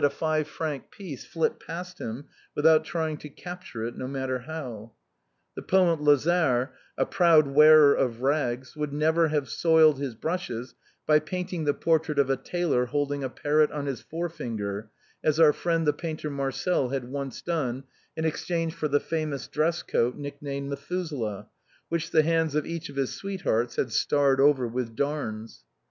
241 a five franc piece flit past him without tiyiug to capture it, no matter how. The painter Lazare, a proud wearer of rags, would never have soiled his brushes by painting the portrait of a tailor holding a parrot on his forefinger, as our friend the painter Marcel had once done in exchange for that famous dress coat nicknamed Methuselah, which the hands of each of his sweethearts had starred over with darns.